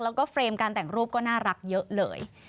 แล้วก็เฟรมการแต่งรูปก็น่ารักเยอะเลย